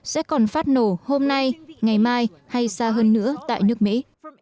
sẽ còn phát nổ hôm nay ngày mai hay xa hơn nữa tại nước mỹ